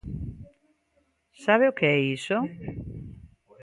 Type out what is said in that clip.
¿Sabe o que é iso?